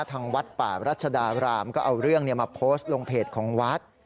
ทางวัดป่ารัชดารามก็เอาเรื่องมาโพสต์ลงเพจของวัด